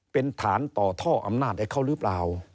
เป็นฐานต่อท่ออำนาจให้เขาหรือเปล่า